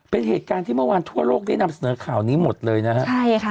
เป็นเหตุการณ์ที่เมื่อวานทั่วโลกได้นำเสนอข่าวนี้หมดเลยนะฮะใช่ค่ะ